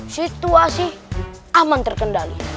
situasi aman terkendali